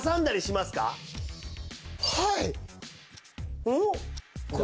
はい！